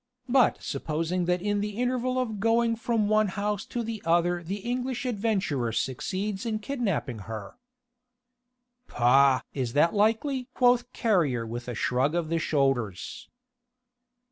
But supposing that in the interval of going from the one house to the other the English adventurer succeeds in kidnapping her...." "Pah! is that likely?" quoth Carrier with a shrug of the shoulders.